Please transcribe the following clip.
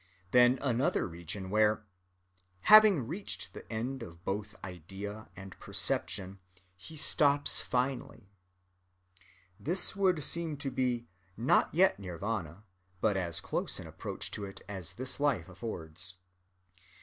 Then another region where, "having reached the end of both idea and perception, he stops finally." This would seem to be, not yet Nirvâna, but as close an approach to it as this life affords.